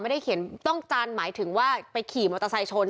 ไม่ได้เขียนต้องจานหมายถึงว่าไปขี่มอเตอร์ไซค์ชน